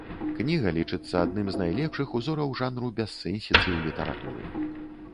Кніга лічыцца адным з найлепшых узораў жанру бяссэнсіцы ў літаратуры.